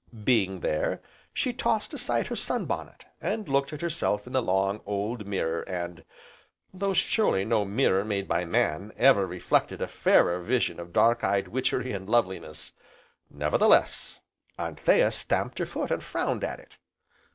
Being there, she tossed aside her sunbonnet, and looked at herself in the long, old mirror, and, though surely no mirror made by man, ever reflected a fairer vision of dark eyed witchery and loveliness, nevertheless Anthea stamped her foot, and frowned at it.